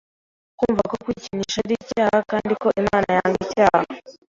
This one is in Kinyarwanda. Kumva ko kwikinisha ari icyaha kandi ko Imana yanga icyaha.